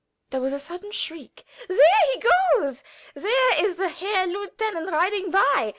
There was a sudden shriek: "There he goes! There is the Herr Lieutenant riding by.